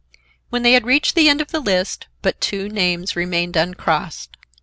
When they had reached the end of the list, but two names remained uncrossed.